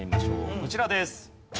こちらです。